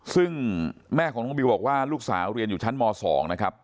ซึ่งแม่ของน้องบิวบอกว่าลูกสาวเรียนอยู่ชั้นม๒นะครับ